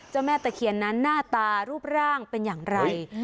แม่ตะเคียนนั้นหน้าตารูปร่างเป็นอย่างไร